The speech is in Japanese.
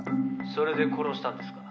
「それで殺したんですか？」